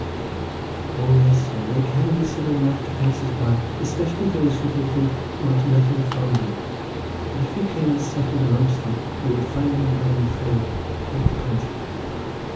Woman.—O yes, sir, they can be civil enough to passers by, especially those who they think want nothing from them—but if you came and settled amongst them you would find them, I'm afraid, quite the contrary.